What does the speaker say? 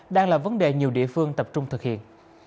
đang là vấn đề nhiều địa phương tập trung thực hiện